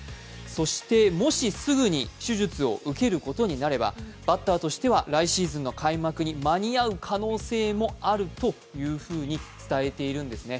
そしてもしすぐに手術を受けることになればバッターとしては来シーズンの開幕に間に合う可能性もあると伝えているんですね。